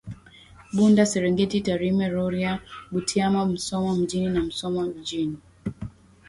Bunda Serengeti Tarime Rorya Butiama Musoma mjini na Musoma vijijini